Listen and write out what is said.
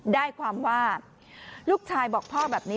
ได้ความว่าลูกชายบอกพ่อแบบนี้